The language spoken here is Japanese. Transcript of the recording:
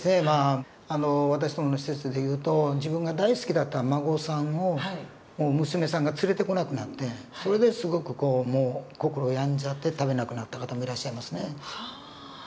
まあ私どもの施設で言うと自分が大好きだったお孫さんを娘さんが連れてこなくなってそれですごく心病んじゃって食べなくなった方もいらっしゃいますね。